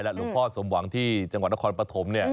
หลวงพ่อสมหวังที่จังหวัดนครปฐม